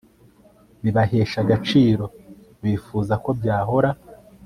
bibahesha agaciro , bifuza ko byahora